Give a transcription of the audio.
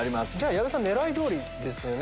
矢部さん狙い通りですね。